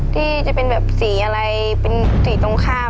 ที่จะเป็นแบบสีอะไรเป็นสีตรงข้าม